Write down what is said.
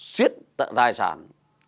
xuyết tạng tài sản